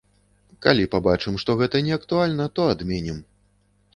Калі пабачым, што гэта неактуальна, то адменім.